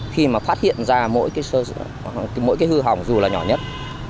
khi mà phát hiện ra mỗi cái hư hỏng dù là nhỏ nhất